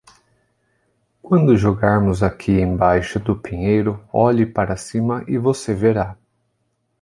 Quando jogarmos aqui embaixo do pinheiro, olhe para cima e você verá.